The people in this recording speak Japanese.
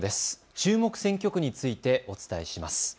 注目選挙区についてお伝えします。